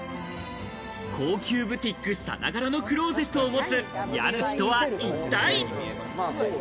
高級ブティックさながらのクローゼットを持つ家主とは一体？